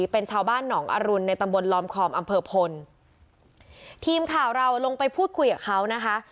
เป็นชาวบ้านหนองอรุณในตำบลลอมคอมอำเภอพลทีมข่าวเราลงไปพูดคุยกับเขานะคะ